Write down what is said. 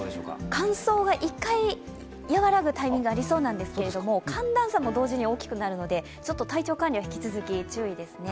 乾燥が一回和らぐタイミングありそうなんですけど寒暖差も同時に大きくなるので体調管理は引き続き注意ですね。